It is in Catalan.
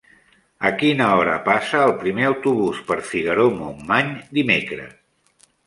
A quina hora passa el primer autobús per Figaró-Montmany dimecres?